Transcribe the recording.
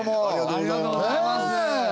ありがとうございます。